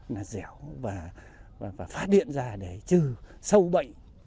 là dẻo và phát điện ra để trừ sâu bệnh